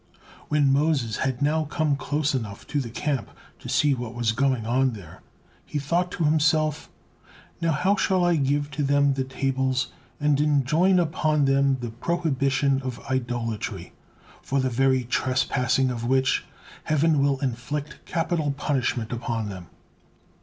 When Moses had now come close enough to the camp to see what was going on there, he thought to himself: "How now shall I give to them the tables and enjoin upon them the prohibition of idolatry, for the very trespassing of which, Heaven will inflict capital punishment upon them?"